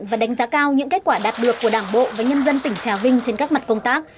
và đánh giá cao những kết quả đạt được của đảng bộ và nhân dân tỉnh trà vinh trên các mặt công tác